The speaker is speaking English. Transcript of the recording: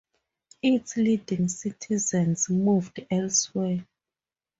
Its leading citizens moved elsewhere.